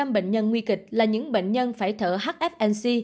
tám mươi sáu bệnh nhân nguy kịch là những bệnh nhân phải thở hfnc